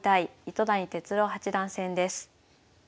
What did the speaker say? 糸谷哲郎八段戦です。